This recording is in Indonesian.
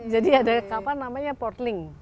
jadi ada kapal namanya portling